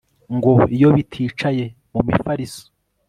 ngo iyo biticaye mu mifaliso